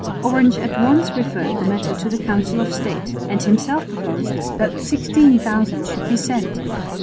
Orange at once referred the matter to the Council of State, and himself proposed that 16,000 should be sent.